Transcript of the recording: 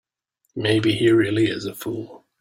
Maybe he really is a fool.